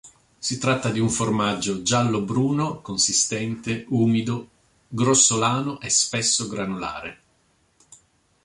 Si tratta di un formaggio giallo-bruno, consistente, umido, grossolano e spesso granulare.